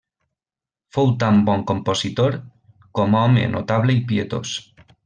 Fou tan bon compositor com home notable i pietós.